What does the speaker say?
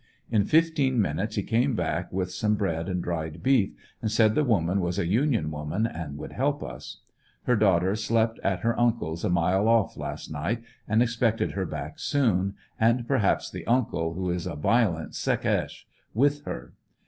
In fifteen minutes he came back with some bread and dried beef, and said the woman was a Union w^oman and would help us. Her daughter slept at her uncle's a mile off last night, and expected her back soon, and per haps the uncle, who is a violent Secesh, with her.